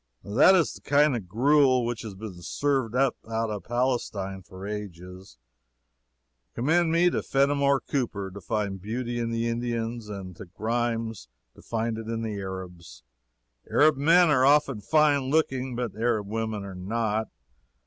That is the kind of gruel which has been served out from Palestine for ages. Commend me to Fennimore Cooper to find beauty in the Indians, and to Grimes to find it in the Arabs. Arab men are often fine looking, but Arab women are not.